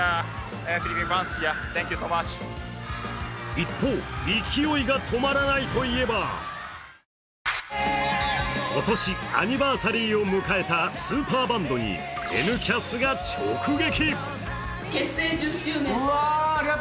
一方、勢いが止まらないといえば今年アニバーサリーを迎えたスーパーバンドに「Ｎキャス」が直撃。